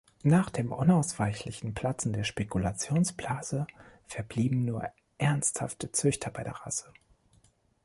Nach dem unausweichlichen Platzen der Spekulationsblase verblieben nur ernsthafte Züchter bei der Rasse.